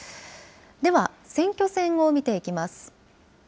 では、選挙戦を見ていきます。